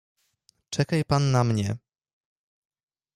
"Czekaj pan na mnie."